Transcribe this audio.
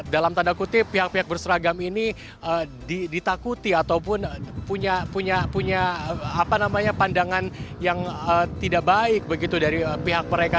dalam tanda kutip pihak pihak berseragam ini ditakuti ataupun punya pandangan yang tidak baik begitu dari pihak mereka